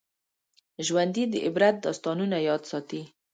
ژوندي د عبرت داستانونه یاد ساتي